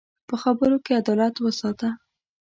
په خبرو کې عدالت وساته